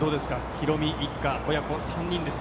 ヒロミ一家、親子３人です。